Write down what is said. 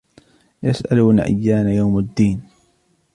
يَسْأَلُونَ أَيَّانَ يَوْمُ الدِّينِ